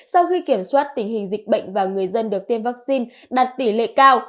sau khi kiểm soát tình hình dịch bệnh và người dân được tiêm vaccine đạt tỷ lệ cao